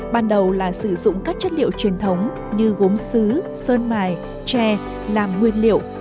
ban đầu là sử dụng các chất liệu truyền thống như gốm sứ sơn mải tre làm nguyên liệu